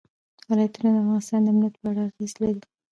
ولایتونه د افغانستان د امنیت په اړه اغېز لري.